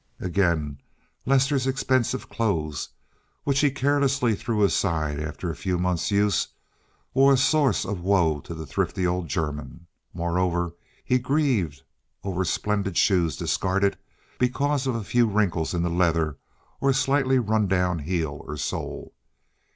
Again, Lester's expensive clothes, which he carelessly threw aside after a few month's use, were a source of woe to the thrifty old German. Moreover, he grieved over splendid shoes discarded because of a few wrinkles in the leather or a slightly run down heel or sole.